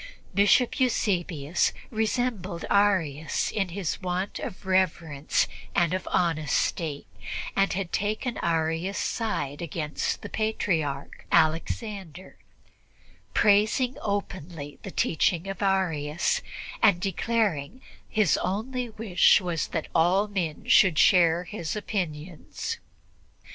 Bishop Eusebius resembled Arius in his want of reverence and of honesty, and had taken Arius' side against the Patriarch, Alexander, praising openly the teaching of Arius and declaring that his only wish was that all men should share his opinions.